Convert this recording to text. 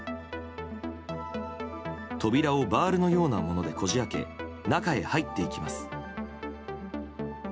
扉をバールのようなものでこじ開け、中へ入っていきます。